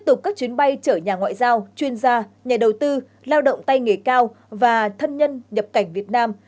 để chở nhà ngoại giao chuyên gia nhà đầu tư lao động tay nghề cao và thân nhân nhập cảnh việt nam